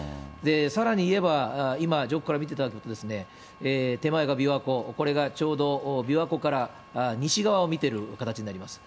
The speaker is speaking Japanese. さらに言えば、今、上空から見ていただくと、手前が琵琶湖、これがちょうど琵琶湖から西側を見ている形になります。